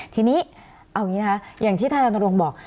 ทีนี้อย่างที่ท่านอนรวงบอก